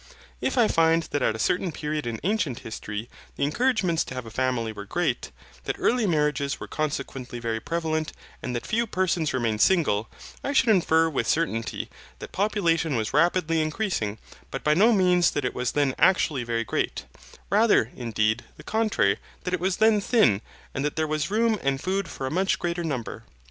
If I find that at a certain period in ancient history, the encouragements to have a family were great, that early marriages were consequently very prevalent, and that few persons remained single, I should infer with certainty that population was rapidly increasing, but by no means that it was then actually very great, rather; indeed, the contrary, that it was then thin and that there was room and food for a much greater number.